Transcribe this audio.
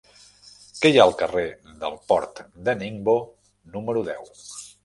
Què hi ha al carrer del Port de Ningbo número deu?